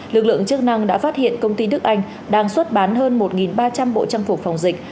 lực lượng chức năng đã phát hiện công ty đức anh đang xuất bán hơn một ba trăm linh bộ trang phục phòng dịch